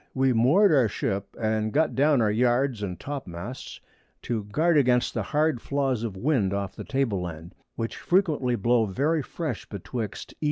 We moor'd our Ship, and got down our Yards and Topmasts to guard against the hard Flaws of Wind off the Table Land, which frequently blow very fresh betwixt E.